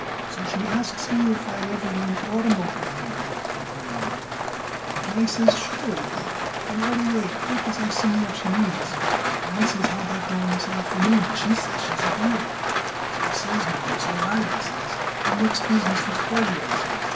"So she asks me if I ever went it oitermobiling," Abe went on, "and I says sure I did, and right away quick I seen it what she means; and I says how about going this afternoon; and she says she's agreeable. So I says, Mawruss, all right, I says, we'll mix business with pleasure, I says.